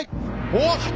おっ！